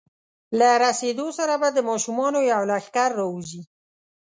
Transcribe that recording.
له رسېدو سره به د ماشومانو یو لښکر راوځي.